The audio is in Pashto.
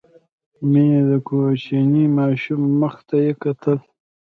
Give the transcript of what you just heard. مينې د کوچني ماشوم مخ ته يې کتل.